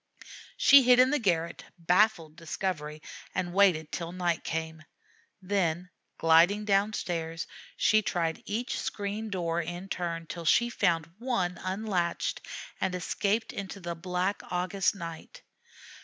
She hid in the garret, baffled discovery, and waited till night came. Then, gliding down stairs, she tried each screen door in turn, till she found one unlatched, and escaped into the black August night.